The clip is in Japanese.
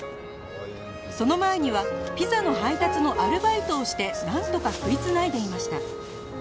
その前にはピザの配達のアルバイトをしてなんとか食い繋いでいました